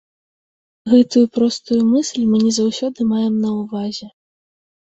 Гэтую простую мысль мы не заўсёды маем на ўвазе.